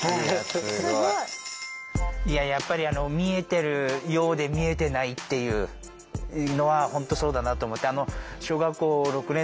すごい。いややっぱり見えてるようで見えてないっていうのは本当そうだなと思って。